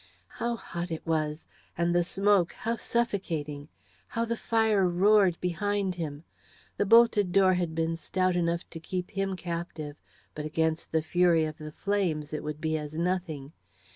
How hot it was! And the smoke how suffocating! How the fire roared behind him! The bolted door had been stout enough to keep him captive, but against the fury of the flames it would be as nothing.